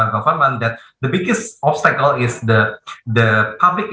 bahwa hal terbesar adalah kepentingan publik